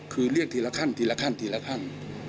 คือเรียกทีละขั้นทีละขั้นทีละขั้น